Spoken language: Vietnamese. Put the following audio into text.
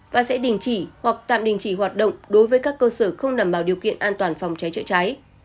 và sẽ đình chỉ hoặc tạm đình chỉ hoạt động đối với các cơ sở không đảm bảo điều kiện an toàn phòng cháy chữa cháy